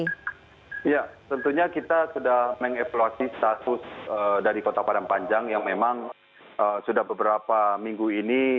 ya tentunya kita sudah mengevaluasi status dari kota padang panjang yang memang sudah beberapa minggu ini